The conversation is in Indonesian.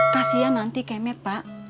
kasian nanti kemet pak